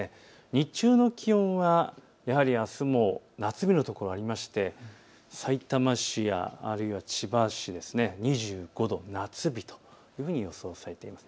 日中の気温はやはりあすも夏日の所があってさいたま市や、あるいは千葉市２５度、夏日と予想されています。